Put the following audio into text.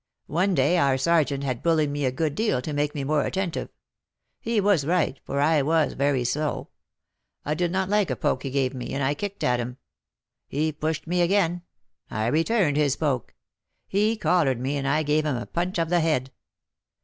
One day our sergeant had bullied me a good deal, to make me more attentive, he was right, for I was very slow; I did not like a poke he gave me, and I kicked at him; he pushed me again, I returned his poke; he collared me, and I gave him a punch of the head.